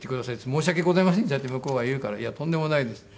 申し訳ございませんでした」って向こうが言うから「いやとんでもないです」。